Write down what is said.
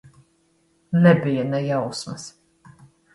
Nebija ne jausmas.